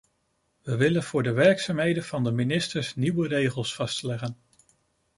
We willen voor de werkzaamheden van de ministers nieuwe regels vastleggen.